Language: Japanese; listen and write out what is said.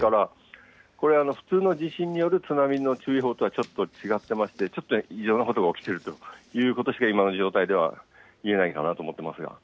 これは普通の地震による津波の注意報とはちょっと違ってまして、ちょっと異常なことが起きているということしか今の状態では言えないかなと思っていますが。